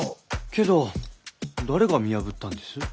けど誰が見破ったんです？